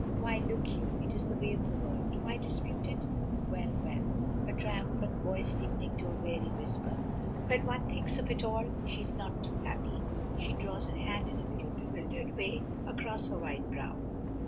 Why, look you, it is the way of the world, why dispute it? Well, well," her triumphant voice deepening to a weary whisper. "When one thinks of it all, she is not too happy." She draws her hand in a little bewildered way across her white brow.